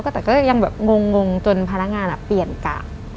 แต่ก็ยังแบบงงจนพนักงานเปลี่ยนกะ